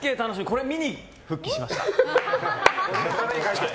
これ見に復帰しました。